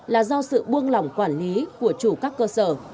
là do sự buông lỏng quản lý của chủ các cơ sở